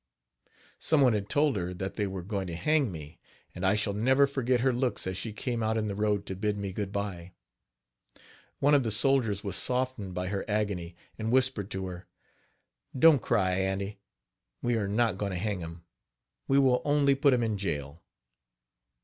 " Some one had told her that they were going to hang me; and I shall never forget her looks as she came out in the road to bid me good by. One of the soldiers was softened by her agony, and whispered to her: "Don't cry, aunty, we are not going to hang him we will only put him in jail.